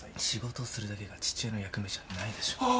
仕事するだけが父親の役目じゃないでしょ。